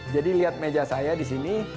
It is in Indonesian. jadi lihat meja saya disini